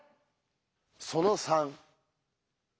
その３。